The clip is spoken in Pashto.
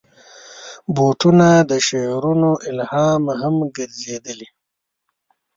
بوټونه د شعرونو الهام هم ګرځېدلي.